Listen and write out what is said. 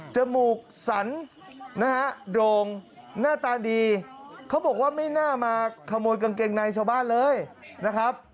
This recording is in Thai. มูกสันนะฮะโด่งหน้าตาดีเขาบอกว่าไม่น่ามาขโมยกางเกงในชาวบ้านเลยนะครับ